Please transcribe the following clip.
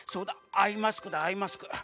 アイマスクだアイマスク。